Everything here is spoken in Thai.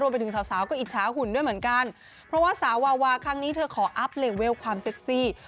ไปถึงสาวก็อิจฉาหุ่นด้วยเหมือนกันเพราะว่าสาววาวาครั้งนี้เธอขออัพเลเวลความเซ็กซี่